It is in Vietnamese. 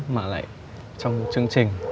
mà lại trong chương trình